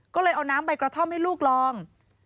ก็เลยเอาน้ำใบกระท่อมให้ลูกลอง